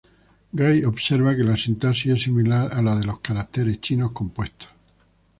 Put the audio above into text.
Guy observa que la sintaxis es similar a la de los caracteres chinos compuestos.